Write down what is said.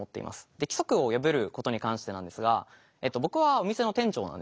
で規則を破ることに関してなんですが僕はお店の店長なんですね。